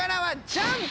ジャンプ。